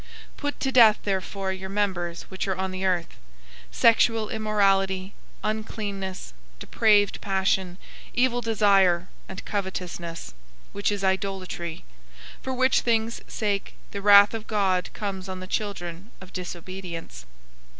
003:005 Put to death therefore your members which are on the earth: sexual immorality, uncleanness, depraved passion, evil desire, and covetousness, which is idolatry; 003:006 for which things' sake the wrath of God comes on the children of disobedience.